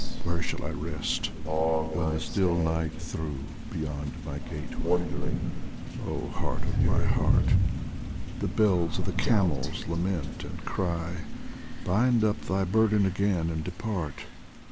Where shall I rest, when the still night through, Beyond thy gateway, oh Heart of my heart, The bells of the camels lament and cry :" Bind up thy burden again and depart